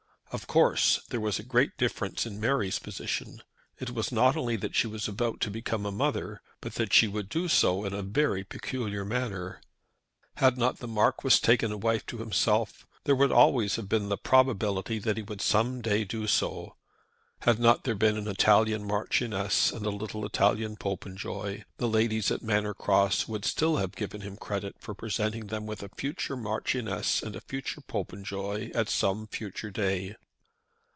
Of course there was a great difference in Mary's position. It was not only that she was about to become a mother, but that she would do so in a very peculiar manner. Had not the Marquis taken a wife to himself, there would always have been the probability that he would some day do so. Had there not been an Italian Marchioness and a little Italian Popenjoy, the ladies at Manor Cross would still have given him credit for presenting them with a future marchioness and a future Popenjoy at some future day.